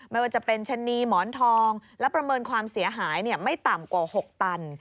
ไม่ว่าจะเป็นชะนีหมอนทองและประเมินความเสียหายไม่ต่ำกว่า๖ตัน